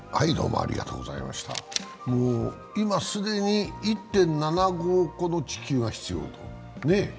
今既に１．７５個の地球が必要と。